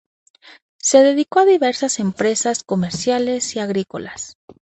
Se dedicó a diversas empresas comerciales y agrícolas.